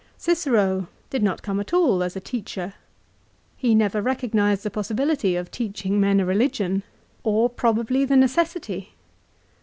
Cicero did not come at all as a teacher. He never recognised the possibility of teaching men a religion, or probably the D D 2 404 LIFE OF CICERO. necessity.